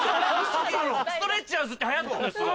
ストレッチャーズって流行ったんですよ。